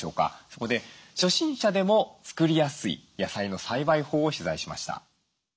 そこで初心者でも作りやすい野菜の栽培法を取材しました。